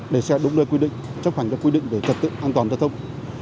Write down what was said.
để xe đúng nơi quy định chấp hành các quy định về trật tự an toàn giao thông